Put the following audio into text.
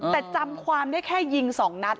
แต่จำความเนี่ยแค่ยิงสองนัด